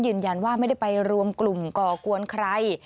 ยืนยันว่าไม่ได้ไปรวมกลุ่มก่อกวนใคร